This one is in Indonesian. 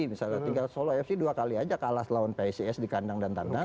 misalnya tinggal solo fc dua kali aja kalah lawan psis di kandang dan tandang